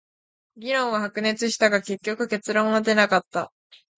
議論は白熱したが、結局結論は出なかった。